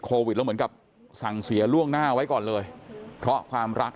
โควิดแล้วเหมือนกับสั่งเสียล่วงหน้าไว้ก่อนเลยเพราะความรัก